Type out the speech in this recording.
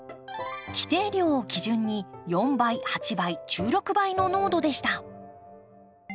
規定量を基準に４倍８倍１６倍の濃度でした。